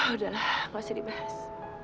udah lah nggak usah dibahas